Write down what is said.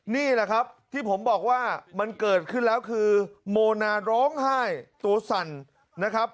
นี่แหละครับที่ผมบอกว่ามันเกิดขึ้นแล้วคือโมนาร้องไห้ตัวสั่นนะครับ